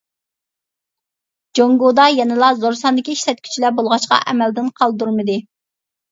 جۇڭگودا يەنىلا زور ساندىكى ئىشلەتكۈچىلەر بولغاچقا، ئەمەلدىن قالدۇرمىدى.